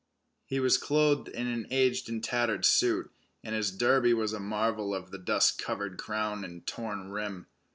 He was clothed in an aged and tattered suit, and his derby was a marvel of dust covered crown and torn rim.